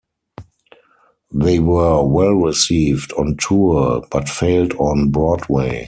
They were well received on tour but failed on Broadway.